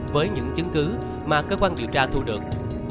với những chứng cứ mà cơ quan điều tra thu được